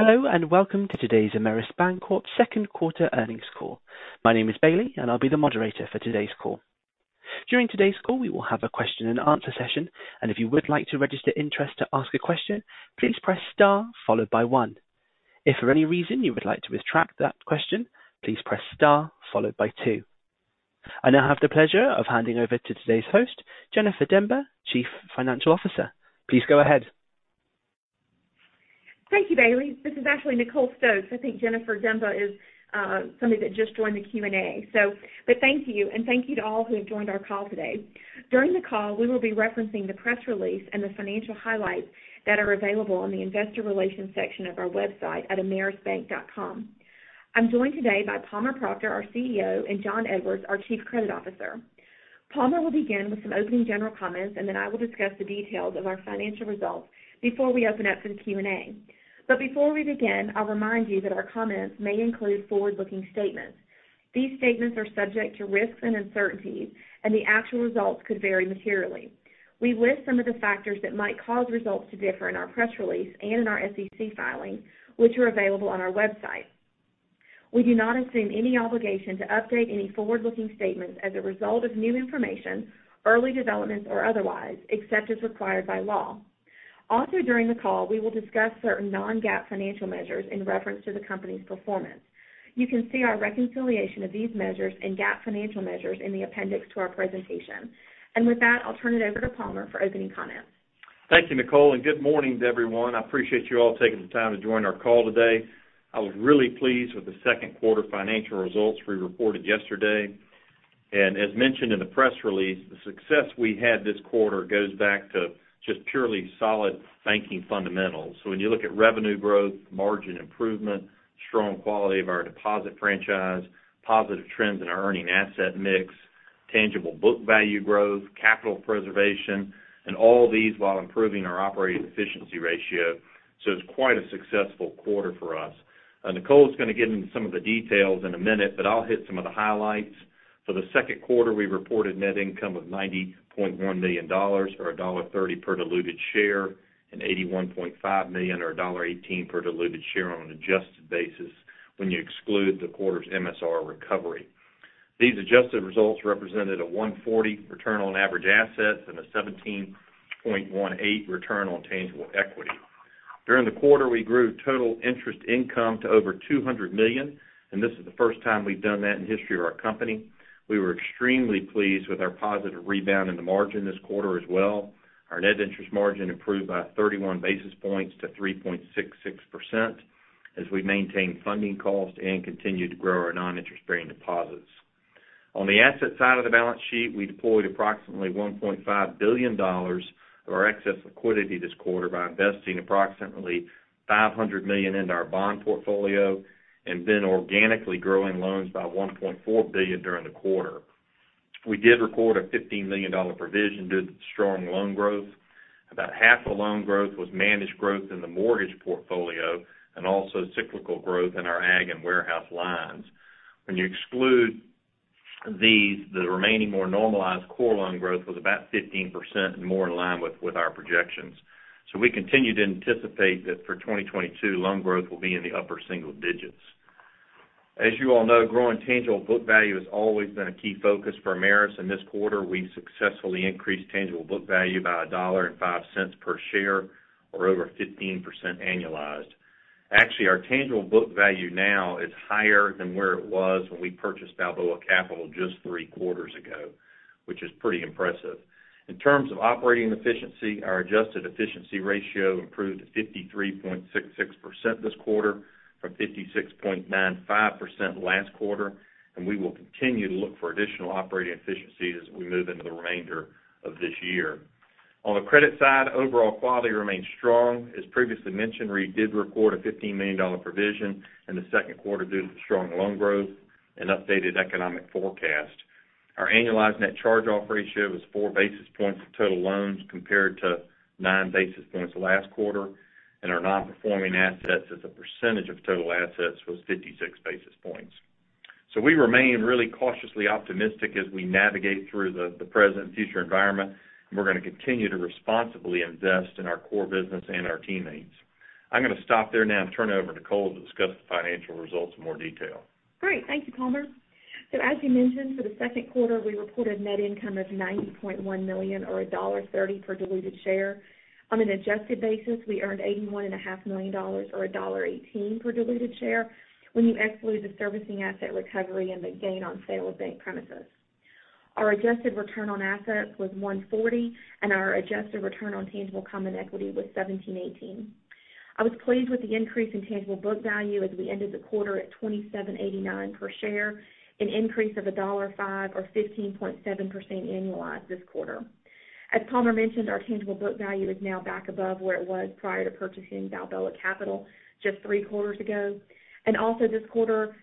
Hello, and welcome to today's Ameris Bancorp second quarter earnings call. My name is Bailey, and I'll be the moderator for today's call. During today's call, we will have a question and answer session, and if you would like to register interest to ask a question, please press star followed by one. If for any reason you would like to retract that question, please press star followed by two. I now have the pleasure of handing over to today's host, Jennifer Demba, Chief Financial Officer. Please go ahead. Thank you, Bailey. This is actually Nicole Stokes. I think Jennifer Demba is somebody that just joined the Q&A. Thank you, and thank you to all who have joined our call today. During the call, we will be referencing the press release and the financial highlights that are available on the investor relations section of our website at amerisbank.com. I'm joined today by Palmer Proctor, our CEO, and Jon Edwards, our Chief Credit Officer. Palmer will begin with some opening general comments, and then I will discuss the details of our financial results before we open up for the Q&A. Before we begin, I'll remind you that our comments may include forward-looking statements. These statements are subject to risks and uncertainties, and the actual results could vary materially. We list some of the factors that might cause results to differ in our press release and in our SEC filings, which are available on our website. We do not assume any obligation to update any forward-looking statements as a result of new information, early developments, or otherwise, except as required by law. Also, during the call, we will discuss certain non-GAAP financial measures in reference to the company's performance. You can see our reconciliation of these measures and GAAP financial measures in the appendix to our presentation. With that, I'll turn it over to Palmer for opening comments. Thank you, Nicole, and good morning to everyone. I appreciate you all taking the time to join our call today. I was really pleased with the second quarter financial results we reported yesterday. As mentioned in the press release, the success we had this quarter goes back to just purely solid banking fundamentals. When you look at revenue growth, margin improvement, strong quality of our deposit franchise, positive trends in our earning asset mix, tangible book value growth, capital preservation, and all these while improving our operating efficiency ratio. It's quite a successful quarter for us. Nicole is going to get into some of the details in a minute, but I'll hit some of the highlights. For the second quarter, we reported net income of $90.1 million or $1.30 per diluted share and $81.5 million or $1.18 per diluted share on an adjusted basis when you exclude the quarter's MSR recovery. These adjusted results represented a 1.40% return on average assets and a 17.18% return on tangible equity. During the quarter, we grew total interest income to over $200 million, and this is the first time we've done that in history of our company. We were extremely pleased with our positive rebound in the margin this quarter as well. Our net interest margin improved by 31 basis points to 3.66% as we maintain funding cost and continued to grow our non-interest bearing deposits. On the asset side of the balance sheet, we deployed approximately $1.5 billion of our excess liquidity this quarter by investing approximately $500 million into our bond portfolio and then organically growing loans by $1.4 billion during the quarter. We did record a $15 million provision due to the strong loan growth. About half the loan growth was managed growth in the mortgage portfolio and also cyclical growth in our ag and warehouse lines. When you exclude these, the remaining more normalized core loan growth was about 15% more in line with our projections. We continue to anticipate that for 2022, loan growth will be in the upper single digits. As you all know, growing tangible book value has always been a key focus for Ameris, and this quarter, we successfully increased tangible book value by $1.05 per share or over 15% annualized. Actually, our tangible book value now is higher than where it was when we purchased Balboa Capital just three quarters ago, which is pretty impressive. In terms of operating efficiency, our adjusted efficiency ratio improved to 53.66% this quarter from 56.95% last quarter, and we will continue to look for additional operating efficiencies as we move into the remainder of this year. On the credit side, overall quality remains strong. As previously mentioned, we did record a $15 million provision in the second quarter due to the strong loan growth and updated economic forecast. Our annualized net charge-off ratio was 4 basis points of total loans compared to 9 basis points last quarter, and our non-performing assets as a percentage of total assets was 56 basis points. We remain really cautiously optimistic as we navigate through the present and future environment, and we're going to continue to responsibly invest in our core business and our teammates. I'm going to stop there now and turn it over to Nicole to discuss the financial results in more detail. Great. Thank you, Palmer. As you mentioned, for the second quarter, we reported net income of $90.1 million or $1.30 per diluted share. On an adjusted basis, we earned $81.5 million or $1.18 per diluted share when you exclude the servicing asset recovery and the gain on sale of bank premises. Our adjusted return on assets was 1.40%, and our adjusted return on tangible common equity was 17.18%. I was pleased with the increase in tangible book value as we ended the quarter at $27.89 per share, an increase of $1.05 or 15.7% annualized this quarter. As Palmer mentioned, our tangible book value is now back above where it was prior to purchasing Balboa Capital just three quarters ago. Also this quarter,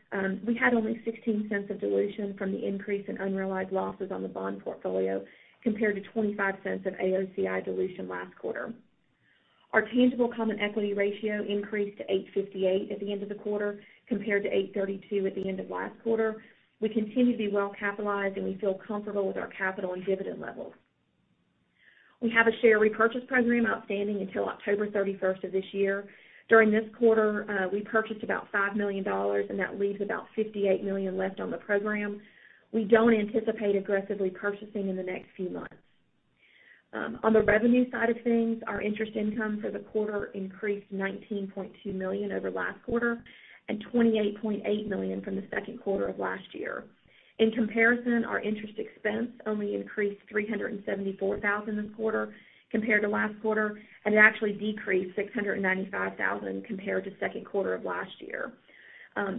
we had only 16 cents of dilution from the increase in unrealized losses on the bond portfolio, compared to 25 cents of AOCI dilution last quarter. Our tangible common equity ratio increased to 8.58 at the end of the quarter, compared to 8.32 at the end of last quarter. We continue to be well-capitalized, and we feel comfortable with our capital and dividend levels. We have a share repurchase program outstanding until October 31 of this year. During this quarter, we purchased about $5 million, and that leaves about $58 million left on the program. We don't anticipate aggressively purchasing in the next few months. On the revenue side of things, our interest income for the quarter increased $19.2 million over last quarter and $28.8 million from the second quarter of last year. In comparison, our interest expense only increased $374 thousand this quarter compared to last quarter, and it actually decreased $695 thousand compared to second quarter of last year.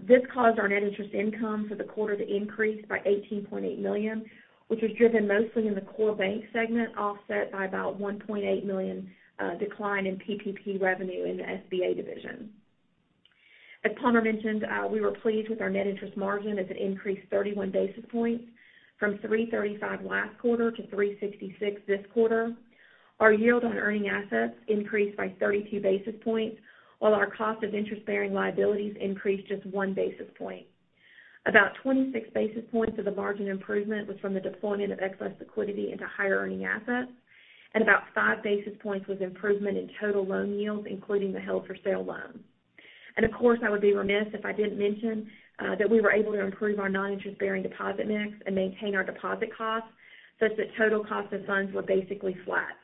This caused our net interest income for the quarter to increase by $18.8 million, which was driven mostly in the core bank segment, offset by about $1.8 million decline in PPP revenue in the SBA division. As Palmer mentioned, we were pleased with our net interest margin as it increased 31 basis points from 3.35% last quarter to 3.66% this quarter. Our yield on earning assets increased by 32 basis points, while our cost of interest-bearing liabilities increased just 1 basis point. About 26 basis points of the margin improvement was from the deployment of excess liquidity into higher earning assets, and about 5 basis points was improvement in total loan yields, including the held-for-sale loans. Of course, I would be remiss if I didn't mention that we were able to improve our non-interest-bearing deposit mix and maintain our deposit costs such that total cost of funds were basically flat.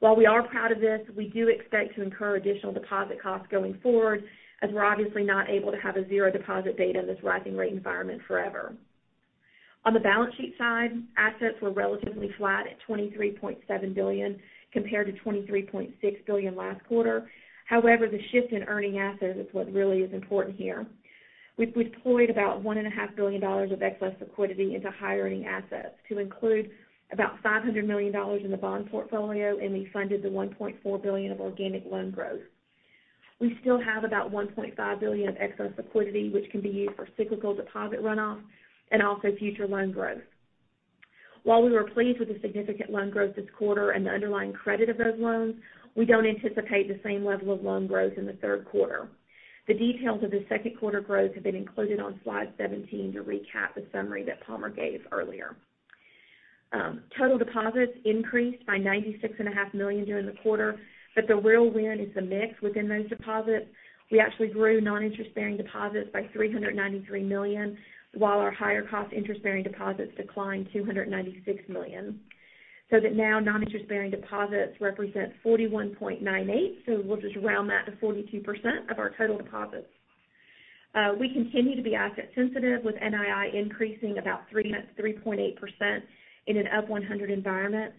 While we are proud of this, we do expect to incur additional deposit costs going forward as we're obviously not able to have a zero deposit rate in this rising rate environment forever. On the balance sheet side, assets were relatively flat at $23.7 billion compared to $23.6 billion last quarter. However, the shift in earning assets is what really is important here. We've deployed about $1.5 billion of excess liquidity into higher earning assets to include about $500 million in the bond portfolio, and we funded the $1.4 billion of organic loan growth. We still have about $1.5 billion of excess liquidity, which can be used for cyclical deposit runoff and also future loan growth. While we were pleased with the significant loan growth this quarter and the underlying credit of those loans, we don't anticipate the same level of loan growth in the third quarter. The details of the second quarter growth have been included on slide 17 to recap the summary that Palmer gave earlier. Total deposits increased by $96.5 million during the quarter, but the real win is the mix within those deposits. We actually grew non-interest-bearing deposits by $393 million, while our higher cost interest-bearing deposits declined $296 million. That now non-interest-bearing deposits represent 41.98%, so we'll just round that to 42% of our total deposits. We continue to be asset sensitive, with NII increasing about 3.8% in an up 100 environment.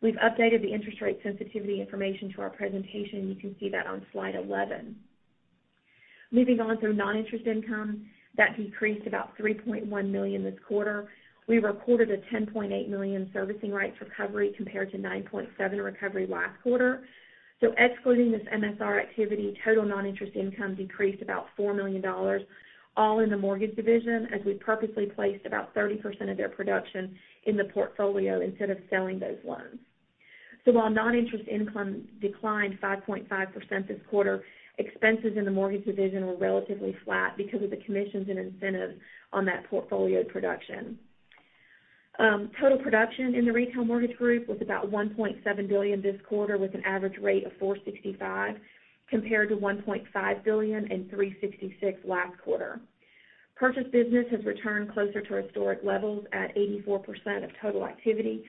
We've updated the interest rate sensitivity information to our presentation. You can see that on slide 11. Moving on to non-interest income, that decreased about $3.1 million this quarter. We reported a $10.8 million servicing rights recovery compared to $9.7 million recovery last quarter. Excluding this MSR activity, total non-interest income decreased about $4 million, all in the mortgage division, as we purposely placed about 30% of their production in the portfolio instead of selling those loans. While non-interest income declined 5.5% this quarter, expenses in the mortgage division were relatively flat because of the commissions and incentives on that portfolio production. Total production in the retail mortgage group was about $1.7 billion this quarter with an average rate of 4.65%, compared to $1.5 billion and 3.66% last quarter. Purchase business has returned closer to historic levels at 84% of total activity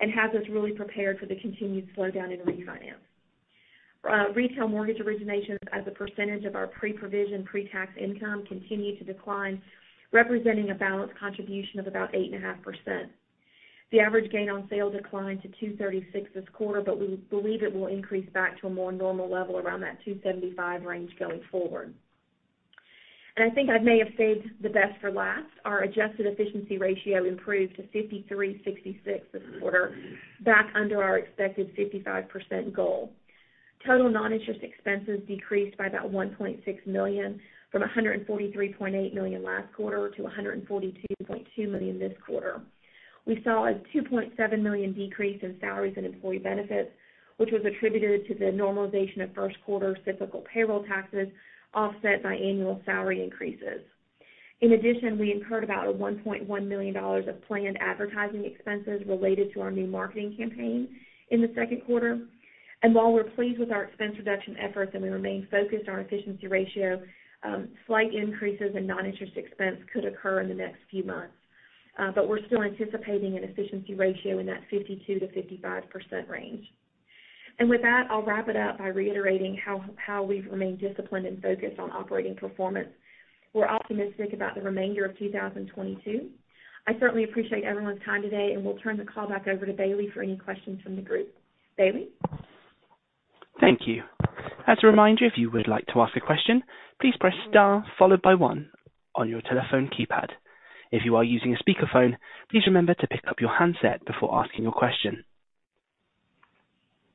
and has us really prepared for the continued slowdown in refinance. Retail mortgage originations as a percentage of our pre-provision pre-tax income continued to decline, representing a balanced contribution of about 8.5%. The average gain on sale declined to 236 this quarter, but we believe it will increase back to a more normal level around that 275 range going forward. I think I may have saved the best for last. Our adjusted efficiency ratio improved to 53.66% this quarter, back under our expected 55% goal. Total non-interest expenses decreased by about $1.6 million from $143.8 million last quarter to $142.2 million this quarter. We saw a $2.7 million decrease in salaries and employee benefits, which was attributed to the normalization of first quarter cyclical payroll taxes offset by annual salary increases. In addition, we incurred about a $1.1 million of planned advertising expenses related to our new marketing campaign in the second quarter. While we're pleased with our expense reduction efforts and we remain focused on our efficiency ratio, slight increases in non-interest expense could occur in the next few months. We're still anticipating an efficiency ratio in that 52%-55% range. I'll wrap it up by reiterating how we've remained disciplined and focused on operating performance. We're optimistic about the remainder of 2022. I certainly appreciate everyone's time today, and we'll turn the call back over to Bailey for any questions from the group. Bailey? Thank you. As a reminder, if you would like to ask a question, please press star followed by one on your telephone keypad. If you are using a speakerphone, please remember to pick up your handset before asking your question.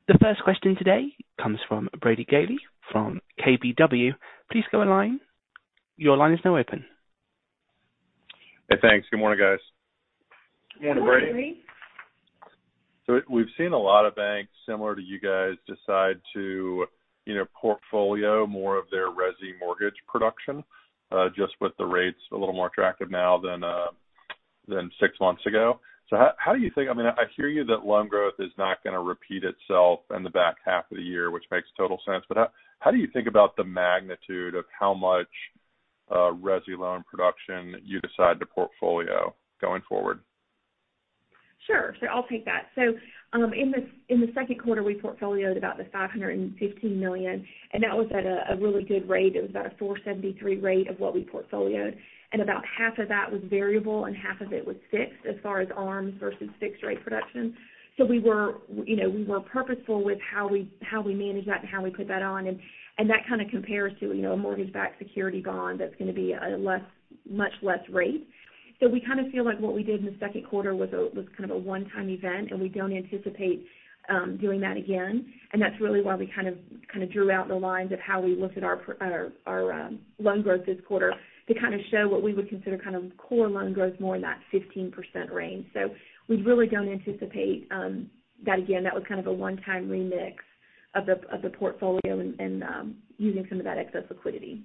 The first question today comes from Brady Gailey from KBW. Please go online. Your line is now open. Hey, thanks. Good morning, guys. Good morning. We've seen a lot of banks similar to you guys decide to, you know, portfolio more of their resi mortgage production, just with the rates a little more attractive now than Than six months ago. How do you think, I mean, I hear you that loan growth is not gonna repeat itself in the back half of the year, which makes total sense, but how do you think about the magnitude of how much resi loan production you decide to portfolio going forward? Sure. I'll take that. In the second quarter, we portfolio-ed about $515 million, and that was at a really good rate. It was about a 4.73% rate of what we portfolio-ed, and about half of that was variable, and half of it was fixed as far as ARMs versus fixed rate production. We were, you know, purposeful with how we manage that and how we put that on, and that kind of compares to, you know, a mortgage-backed security bond that's gonna be much less rate. We kind of feel like what we did in the second quarter was kind of a one-time event, and we don't anticipate doing that again. That's really why we kind of drew out the lines of how we looked at our loan growth this quarter to kind of show what we would consider kind of core loan growth more in that 15% range. We really don't anticipate that again. That was kind of a one-time remix of the portfolio and using some of that excess liquidity.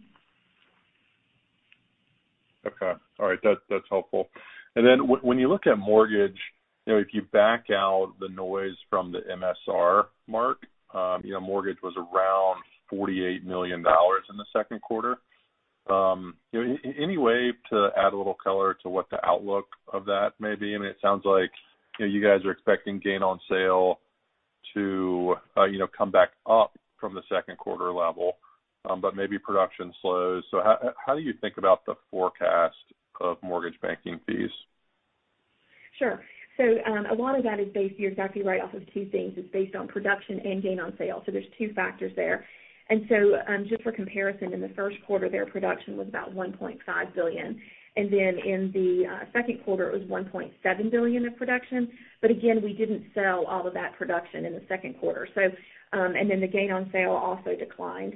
Okay. All right. That's helpful. When you look at mortgage, you know, if you back out the noise from the MSR mark, mortgage was around $48 million in the second quarter. Any way to add a little color to what the outlook of that may be? I mean, it sounds like, you know, you guys are expecting gain on sale to come back up from the second quarter level but maybe production slows. How do you think about the forecast of mortgage banking fees? Sure. A lot of that is based, you're exactly right, off of two things. It's based on production and gain on sale. There's two factors there. Just for comparison, in the first quarter there, production was about $1.5 billion, and then in the second quarter, it was $1.7 billion of production. Again, we didn't sell all of that production in the second quarter. And then the gain on sale also declined.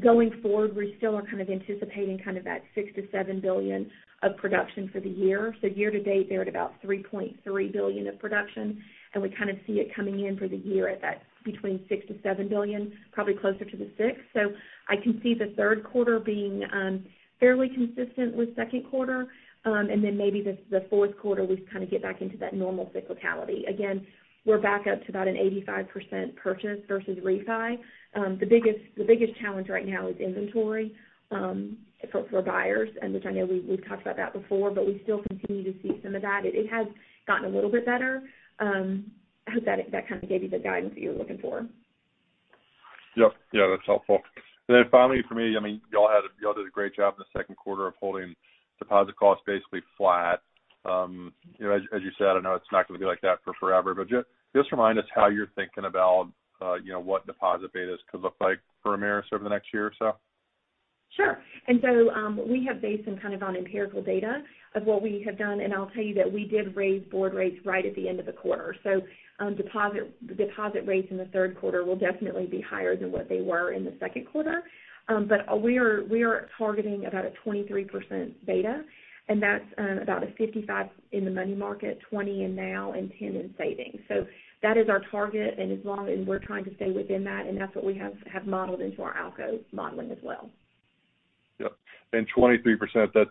Going forward, we still are kind of anticipating kind of that $6-$7 billion of production for the year. Year to date, they're at about $3.3 billion of production, and we kind of see it coming in for the year at that between $6-$7 billion, probably closer to the six. I can see the third quarter being fairly consistent with second quarter. Maybe the fourth quarter, we kind of get back into that normal cyclicality. Again, we're back up to about an 85% purchase versus refi. The biggest challenge right now is inventory for buyers, and which I know we've talked about that before, but we still continue to see some of that. It has gotten a little bit better. I hope that kind of gave you the guidance that you were looking for. Yeah, that's helpful. Finally for me, I mean, y'all did a great job in the second quarter of holding deposit costs basically flat. You know, as you said, I know it's not gonna be like that for forever, but just remind us how you're thinking about, you know, what deposit betas could look like for Ameris over the next year or so. Sure. We have based some kind of on empirical data of what we have done, and I'll tell you that we did raise board rates right at the end of the quarter. Deposit rates in the third quarter will definitely be higher than what they were in the second quarter. We are targeting about a 23% beta, and that's about a 55% in the money market, 20% in now and 10% in savings. That is our target, and we're trying to stay within that, and that's what we have modeled into our ALCO modeling as well. Yep. 23%,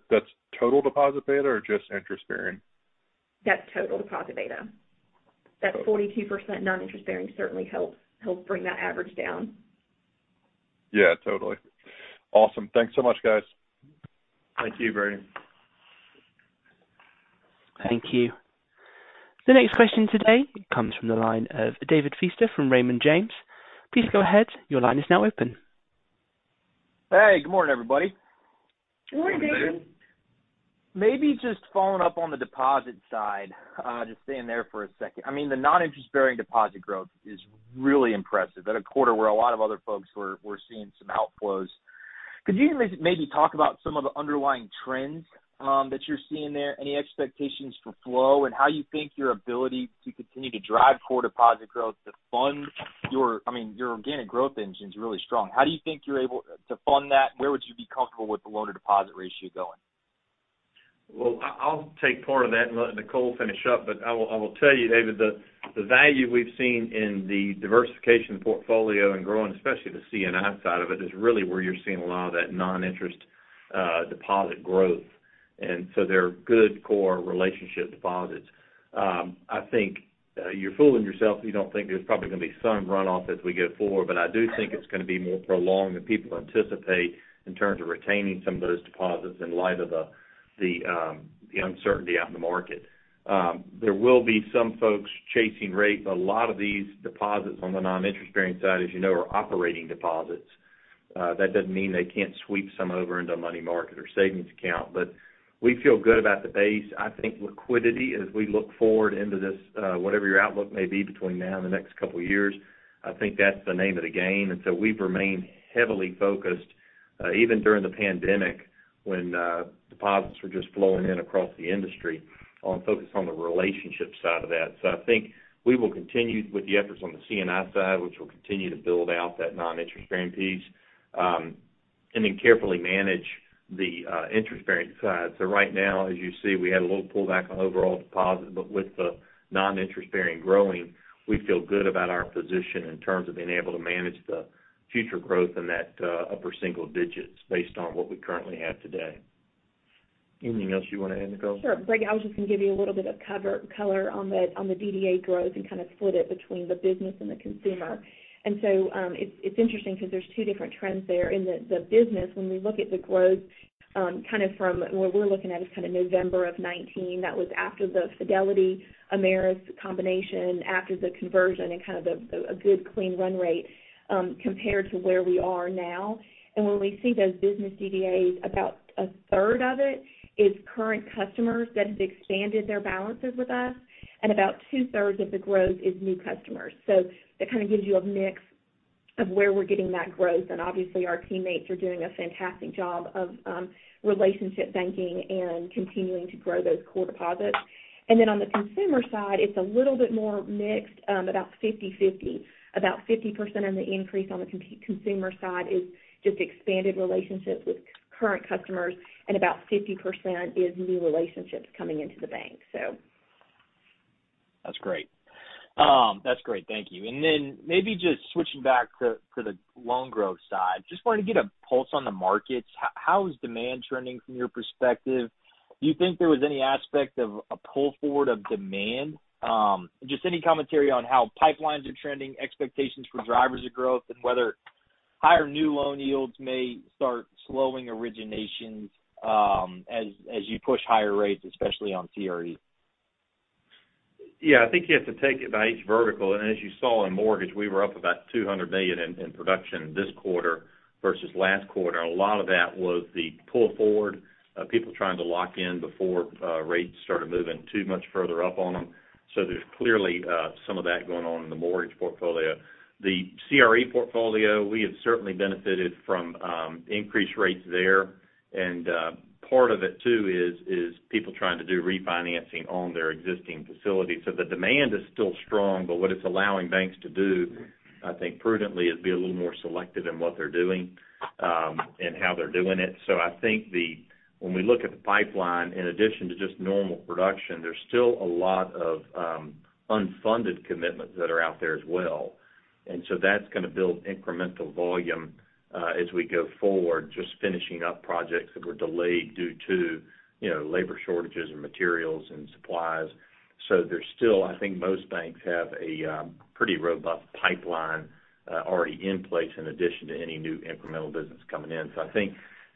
that's total deposit beta or just interest-bearing? That's total deposit beta. That 42% non-interest-bearing certainly helps bring that average down. Yeah, totally. Awesome. Thanks so much, guys. Thank you, Brady Gailey. Thank you. The next question today comes from the line of David Feaster from Raymond James. Please go ahead. Your line is now open. Hey, good morning, everybody. Good morning, David. Good morning, David. Maybe just following up on the deposit side, just staying there for a second. I mean, the non-interest-bearing deposit growth is really impressive at a quarter where a lot of other folks were seeing some outflows. Could you maybe talk about some of the underlying trends that you're seeing there? Any expectations for flow and how you think your ability to continue to drive core deposit growth to fund your, I mean, your organic growth engine is really strong. How do you think you're able to fund that? Where would you be comfortable with the loan to deposit ratio going? Well, I'll take part of that and let Nicole finish up. I will tell you, David, the value we've seen in the diversification portfolio and growing, especially the C&I side of it, is really where you're seeing a lot of that non-interest deposit growth. They're good core relationship deposits. I think you're fooling yourself if you don't think there's probably gonna be some runoff as we go forward. I do think it's gonna be more prolonged than people anticipate in terms of retaining some of those deposits in light of the uncertainty out in the market. There will be some folks chasing rate. A lot of these deposits on the non-interest-bearing side, as you know, are operating deposits. That doesn't mean they can't sweep some over into a money market or savings account, but we feel good about the base. I think liquidity, as we look forward into this, whatever your outlook may be between now and the next couple of years, I think that's the name of the game. We've remained heavily focused, even during the pandemic when, deposits were just flowing in across the industry on focus on the relationship side of that. I think we will continue with the efforts on the C&I side, which will continue to build out that non-interest-bearing piece, and then carefully manage the, interest-bearing side. Right now, as you see, we had a little pullback on overall deposit, but with the non-interest-bearing growing, we feel good about our position in terms of being able to manage the future growth in that, upper single digits based on what we currently have today. Anything else you want to add, Nicole? Sure. I was just gonna give you a little bit of color on the DDA growth and kind of split it between the business and the consumer. It's interesting because there's two different trends there. In the business, when we look at the growth, kind of from what we're looking at is kind of November of 2019, that was after the Fidelity Ameris combination, after the conversion, and kind of a good clean run rate, compared to where we are now. When we see those business DDAs, about a third of it is current customers that have expanded their balances with us, and about two-thirds of the growth is new customers. That kind of gives you a mix of where we're getting that growth. Obviously, our teammates are doing a fantastic job of relationship banking and continuing to grow those core deposits. Then on the consumer side, it's a little bit more mixed, about 50/50. About 50% of the increase on the consumer side is just expanded relationships with current customers, and about 50% is new relationships coming into the bank, so. That's great. Thank you. Then maybe just switching back to the loan growth side. Just wanted to get a pulse on the markets. How is demand trending from your perspective? Do you think there was any aspect of a pull forward of demand? Just any commentary on how pipelines are trending, expectations for drivers of growth, and whether higher new loan yields may start slowing originations, as you push higher rates, especially on CRE? Yeah. I think you have to take it by each vertical. As you saw in mortgage, we were up about $200 million in production this quarter versus last quarter. A lot of that was the pull forward of people trying to lock in before rates started moving too much further up on them. There's clearly some of that going on in the mortgage portfolio. The CRE portfolio, we have certainly benefited from increased rates there. Part of it too is people trying to do refinancing on their existing facilities. The demand is still strong, but what it's allowing banks to do, I think prudently, is be a little more selective in what they're doing and how they're doing it. I think when we look at the pipeline, in addition to just normal production, there's still a lot of unfunded commitments that are out there as well. That's gonna build incremental volume as we go forward, just finishing up projects that were delayed due to, you know, labor shortages and materials and supplies. I think most banks have a pretty robust pipeline already in place in addition to any new incremental business coming in. I think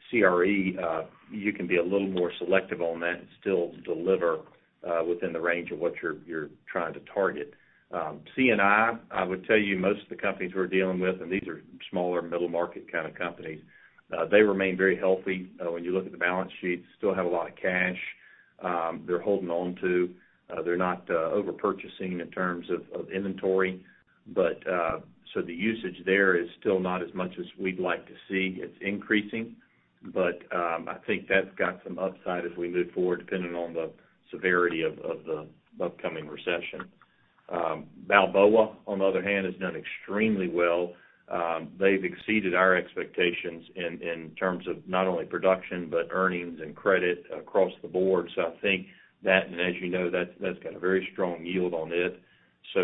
CRE you can be a little more selective on that and still deliver within the range of what you're trying to target. C&I would tell you most of the companies we're dealing with, and these are smaller middle-market kind of companies, they remain very healthy. When you look at the balance sheets, they still have a lot of cash they're holding on to. They're not overpurchasing in terms of inventory, but the usage there is still not as much as we'd like to see. It's increasing, but I think that's got some upside as we move forward, depending on the severity of the upcoming recession. Balboa, on the other hand, has done extremely well. They've exceeded our expectations in terms of not only production, but earnings and credit across the board. I think that, and as you know, that's got a very strong yield on it.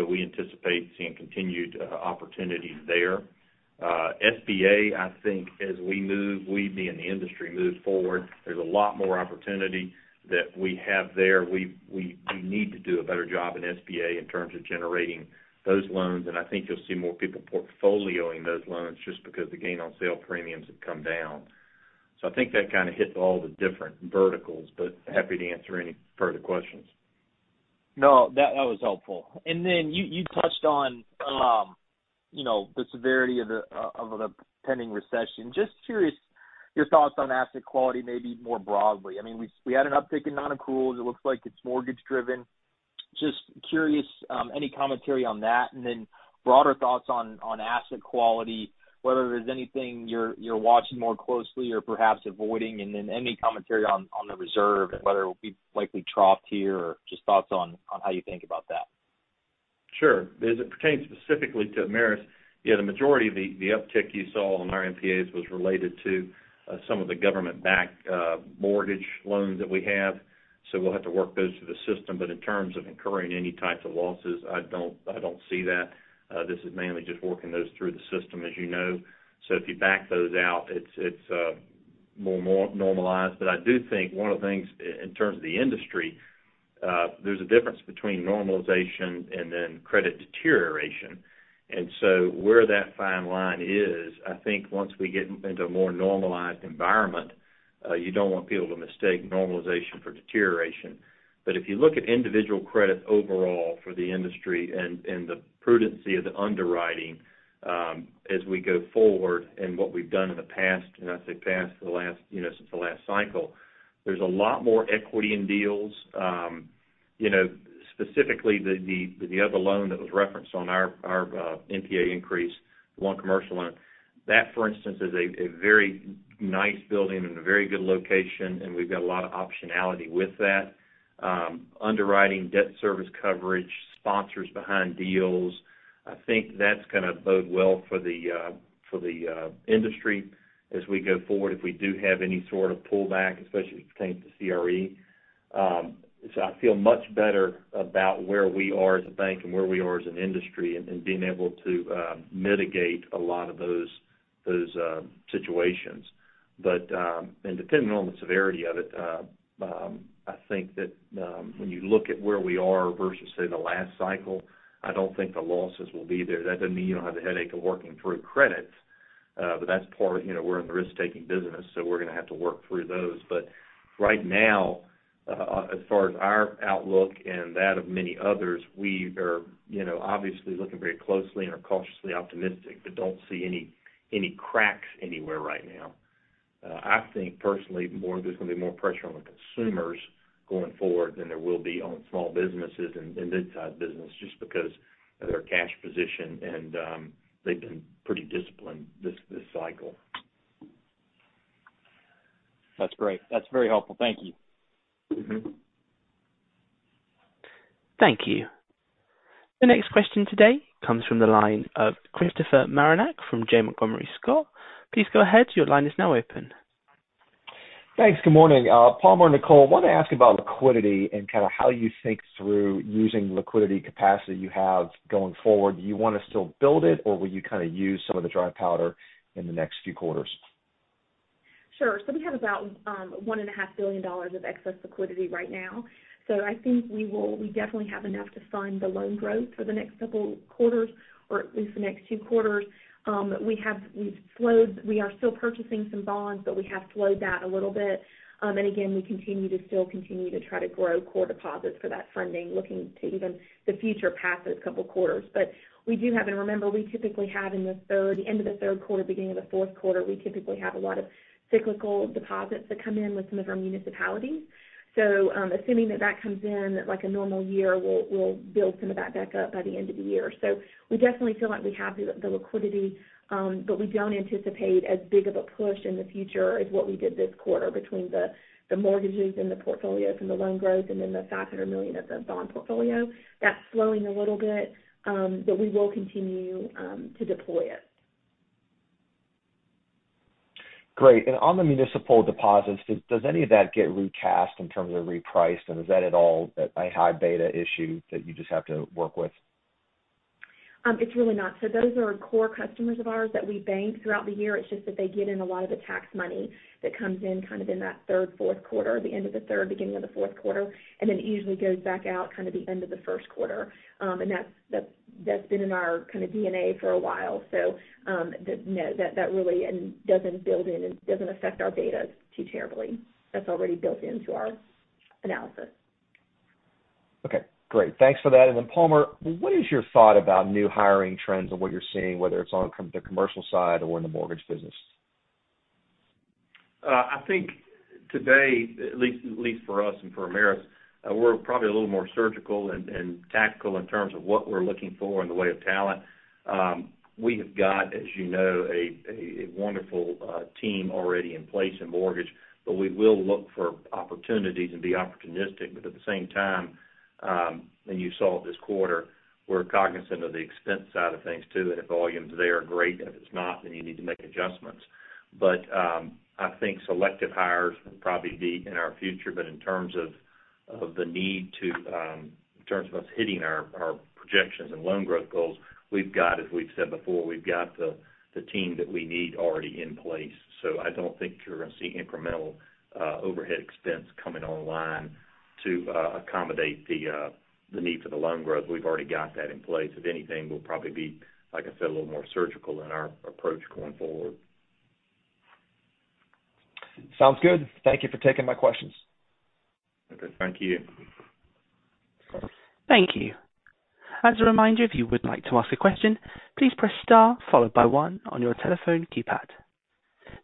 We anticipate seeing continued opportunities there. SBA, I think as we move, we and the industry moves forward, there's a lot more opportunity that we have there. We need to do a better job in SBA in terms of generating those loans, and I think you'll see more people portfolioing those loans just because the gain on sale premiums have come down. I think that kind of hits all the different verticals, but happy to answer any further questions. No, that was helpful. You touched on you know the severity of the pending recession. Just curious, your thoughts on asset quality maybe more broadly. I mean, we had an uptick in nonaccruals. It looks like it's mortgage driven. Just curious, any commentary on that, and then broader thoughts on asset quality, whether there's anything you're watching more closely or perhaps avoiding, and then any commentary on the reserve and whether it will be likely troughed here or just thoughts on how you think about that. Sure. As it pertains specifically to Ameris, yeah, the majority of the uptick you saw on our NPAs was related to some of the government-backed mortgage loans that we have, so we'll have to work those through the system. In terms of incurring any types of losses, I don't see that. This is mainly just working those through the system, as you know. If you back those out, it's more normalized. I do think one of the things in terms of the industry, there's a difference between normalization and then credit deterioration. Where that fine line is, I think once we get into a more normalized environment, you don't want people to mistake normalization for deterioration. If you look at individual credit overall for the industry and the prudency of the underwriting, as we go forward and what we've done in the past, and I say past, for the last, you know, since the last cycle, there's a lot more equity in deals. You know, specifically the other loan that was referenced on our NPA increase, one commercial loan, that for instance is a very nice building in a very good location, and we've got a lot of optionality with that. Underwriting, debt service coverage, sponsors behind deals, I think that's gonna bode well for the industry as we go forward if we do have any sort of pullback, especially if it pertains to CRE. I feel much better about where we are as a bank and where we are as an industry and being able to mitigate a lot of those situations. Depending on the severity of it, I think that when you look at where we are versus, say, the last cycle, I don't think the losses will be there. That doesn't mean you don't have the headache of working through credits, but that's part, you know, we're in the risk-taking business, so we're gonna have to work through those. Right now, as far as our outlook and that of many others, we are, you know, obviously looking very closely and are cautiously optimistic but don't see any cracks anywhere right now. I think personally there's gonna be more pressure on the consumers going forward than there will be on small businesses and midsize business just because of their cash position and, they've been pretty disciplined this cycle. That's great. That's very helpful. Thank you. Mm-hmm. Thank you. The next question today comes from the line of Christopher Marinac from Janney Montgomery Scott. Please go ahead. Your line is now open. Thanks. Good morning. Palmer and Nicole, wanna ask about liquidity and kinda how you think through using liquidity capacity you have going forward. Do you wanna still build it, or will you kinda use some of the dry powder in the next few quarters? Sure. We have about $1.5 billion of excess liquidity right now. I think we definitely have enough to fund the loan growth for the next couple quarters or at least the next two quarters. We've slowed. We are still purchasing some bonds, but we have slowed that a little bit. Again, we continue to try to grow core deposits for that funding, looking to the future past those couple quarters. We do have, and remember, we typically have in the third, the end of the third quarter, beginning of the fourth quarter, a lot of cyclical deposits that come in with some of our municipalities. Assuming that comes in like a normal year, we'll build some of that back up by the end of the year. We definitely feel like we have the liquidity, but we don't anticipate as big of a push in the future as what we did this quarter between the mortgages and the portfolios and the loan growth and then the $500 million of the bond portfolio. That's slowing a little bit, but we will continue to deploy it. Great. On the municipal deposits, does any of that get recast in terms of repriced, and is that at all a high beta issue that you just have to work with? It's really not. Those are core customers of ours that we bank throughout the year. It's just that they get in a lot of the tax money that comes in kind of in that third, fourth quarter, the end of the third, beginning of the fourth quarter, and then it usually goes back out kind of the end of the first quarter. And that's been in our kinda DNA for a while. No, that really doesn't build in and doesn't affect our data too terribly. That's already built into our analysis. Okay, great. Thanks for that. Palmer, what is your thought about new hiring trends and what you're seeing, whether it's on the commercial side or in the mortgage business? I think today, at least for us and for Ameris, we're probably a little more surgical and tactical in terms of what we're looking for in the way of talent. We have got, as you know, a wonderful team already in place in mortgage, but we will look for opportunities and be opportunistic. At the same time, and you saw it this quarter, we're cognizant of the expense side of things too, and if volume's there, great. If it's not, then you need to make adjustments. I think selective hires will probably be in our future. In terms of us hitting our projections and loan growth goals, we've got, as we've said before, the team that we need already in place. I don't think you're gonna see incremental overhead expense coming online to accommodate the need for the loan growth. We've already got that in place. If anything, we'll probably be, like I said, a little more surgical in our approach going forward. Sounds good. Thank you for taking my questions. Okay. Thank you. Thank you. As a reminder, if you would like to ask a question, please press star followed by one on your telephone keypad.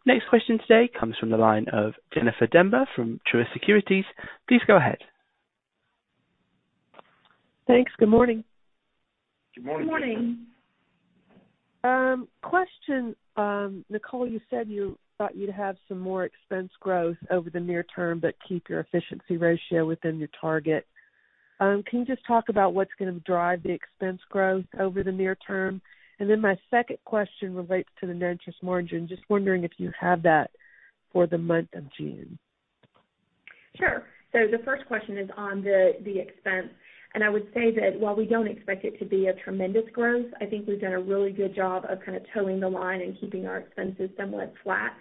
Next question today comes from the line of Jennifer Demba from Truist Securities. Please go ahead. Thanks. Good morning. Good morning. Good morning. Question, Nicole, you said you thought you'd have some more expense growth over the near term, but keep your efficiency ratio within your target. Can you just talk about what's gonna drive the expense growth over the near term? My second question relates to the net interest margin. Just wondering if you have that for the month of June. Sure. The first question is on the expense. I would say that while we don't expect it to be a tremendous growth, I think we've done a really good job of kind of toeing the line and keeping our expenses somewhat flat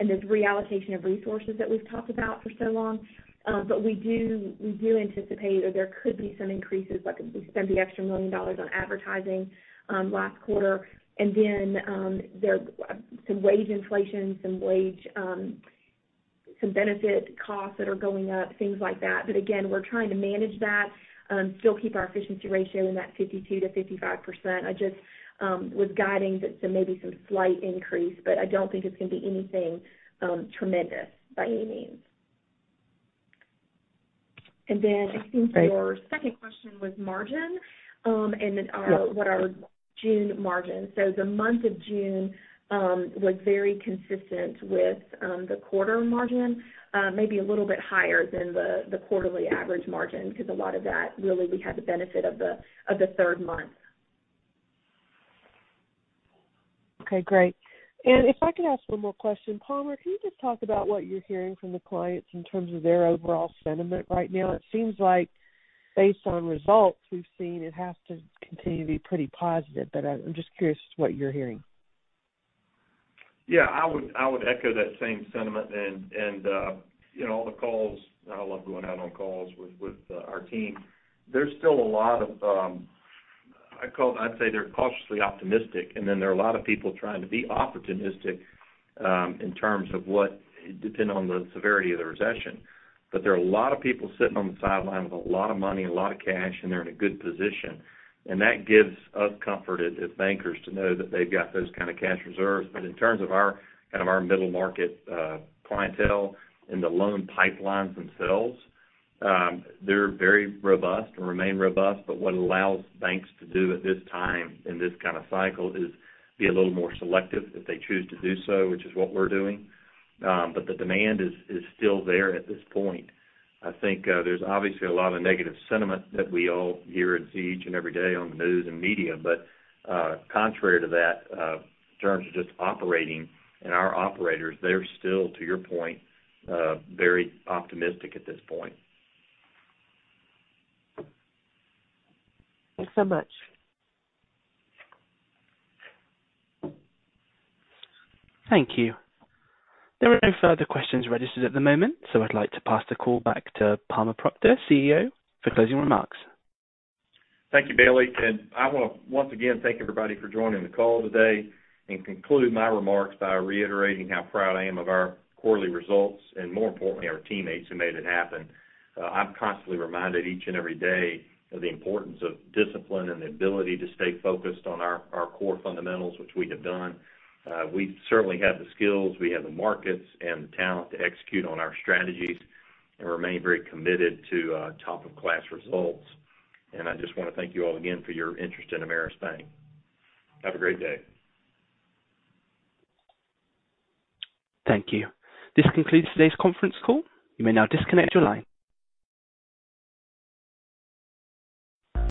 and this reallocation of resources that we've talked about for so long. We anticipate that there could be some increases, like we spent the extra $1 million on advertising last quarter. Some wage inflation, some benefit costs that are going up, things like that. Again, we're trying to manage that still keep our efficiency ratio in that 52%-55%. I just was guiding that to maybe some slight increase, but I don't think it's gonna be anything tremendous by any means. I think your second question was margin, and then what our June margin. The month of June was very consistent with the quarter margin, maybe a little bit higher than the quarterly average margin because a lot of that really we had the benefit of the third month. Okay, great. If I could ask one more question. Palmer, can you just talk about what you're hearing from the clients in terms of their overall sentiment right now? It seems like based on results we've seen, it has to continue to be pretty positive. I'm just curious what you're hearing. Yeah, I would echo that same sentiment and, you know, the calls, I love going out on calls with our team. There's still a lot of, I'd say they're cautiously optimistic, and then there are a lot of people trying to be opportunistic in terms of depending on the severity of the recession. But there are a lot of people sitting on the sideline with a lot of money, a lot of cash, and they're in a good position. And that gives us comfort as bankers to know that they've got those kind of cash reserves. But in terms of our, kind of our middle market clientele and the loan pipelines themselves, they're very robust and remain robust. What allows banks to do at this time in this kind of cycle is be a little more selective if they choose to do so, which is what we're doing. The demand is still there at this point. I think, there's obviously a lot of negative sentiment that we all hear and see each and every day on the news and media. Contrary to that, in terms of just operating and our operators, they're still, to your point, very optimistic at this point. Thanks so much. Thank you. There are no further questions registered at the moment, so I'd like to pass the call back to Palmer Proctor, CEO, for closing remarks. Thank you, Bailey. I wanna once again thank everybody for joining the call today and conclude my remarks by reiterating how proud I am of our quarterly results and, more importantly, our teammates who made it happen. I'm constantly reminded each and every day of the importance of discipline and the ability to stay focused on our core fundamentals, which we have done. We certainly have the skills, we have the markets and the talent to execute on our strategies and remain very committed to top of class results. I just wanna thank you all again for your interest in Ameris Bancorp. Have a great day. Thank you. This concludes today's conference call. You may now disconnect your line.